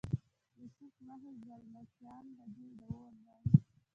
یوسف مخې زلمکیان به دې د اور رنګ،